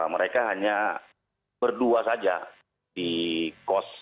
mereka hanya berdua saja di kos